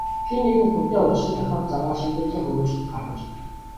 Хэн нэгэн хүнтэй учран тохиох замаар шийдвэрлэх өөрчлөлт гаргаж болно.